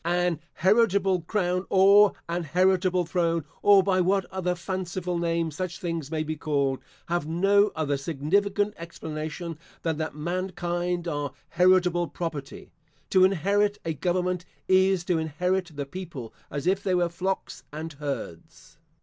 An heritable crown, or an heritable throne, or by what other fanciful name such things may be called, have no other significant explanation than that mankind are heritable property. To inherit a government, is to inherit the people, as if they were flocks and herds.